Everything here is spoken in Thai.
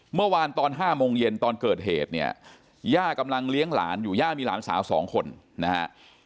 เมื่อวานตอน๕โมงเย็นตอนเกิดเหตุเนี่ยย่ากำลังเลี้ยงหลานอยู่ย่ามีหลานสาวสองคนนะฮะ